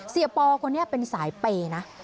ปอคนนี้เป็นสายเปย์นะ